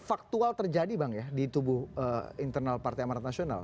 faktual terjadi bang ya di tubuh internal partai amarat nasional